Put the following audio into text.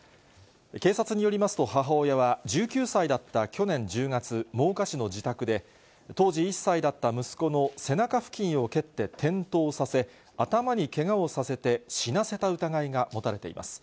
警察によりますと、母親は１９歳だった去年１０月、真岡市の自宅で、当時１歳だった息子の背中付近を蹴って転倒させ、頭にけがをさせて死なせた疑いが持たれています。